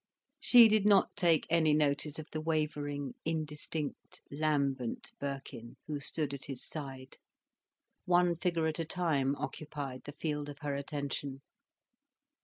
She did not take any notice of the wavering, indistinct, lambent Birkin, who stood at his side. One figure at a time occupied the field of her attention.